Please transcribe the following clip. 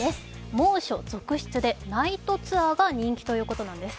猛暑続出でナイトツアーが人気ということなんです。